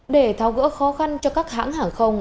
để tháo gỡ khó khăn cho các hãng hàng không